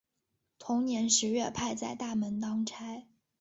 同年十月派在大门当差。